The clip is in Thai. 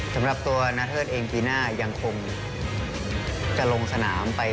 สำหรับตัวนาเทิดเองปีหน้ายังคงจะลงสนามไป